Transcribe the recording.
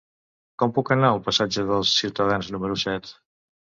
Com puc anar al passatge dels Ciutadans número set?